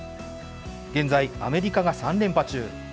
現在、アメリカが３連覇中。